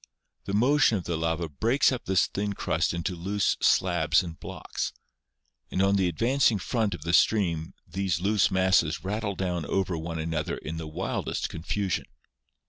The motion of the lava breaks up this thin crust into loose slabs and blocks, and on the advancing front of the stream these loose masses rattle down over one another in the wildest confusion.